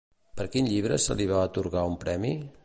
Per quin llibre se li va atorgar un premi?